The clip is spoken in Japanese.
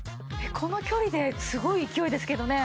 この距離ですごい勢いですけどね。